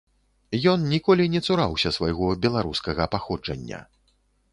Ён ніколі не цураўся свайго беларускага паходжання.